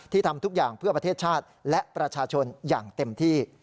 ทำทุกอย่างเพื่อประเทศชาติและประชาชนอย่างเต็มที่